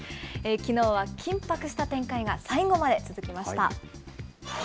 きのうは緊迫した展開が最後まで続きました。